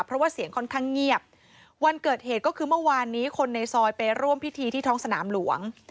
เพราะว่าเสียงค่อนข้างเงียบวันเกิดเหตุก็คือเมื่อวานนี้คนในซอยไปร่วมพิธีที่ท้องสนามหลวง